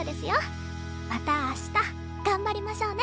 また明日頑張りましょうね篠崎さん。